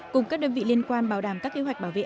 cùng các đơn vị liên quan bảo đảm các kế hoạch bảo vệ